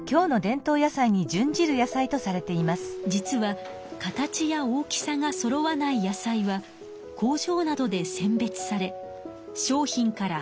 実は形や大きさがそろわない野菜は工場などで選別され商品から外されてしまいます。